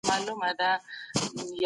باید د ټولني جوړښت ته درناوی وسي.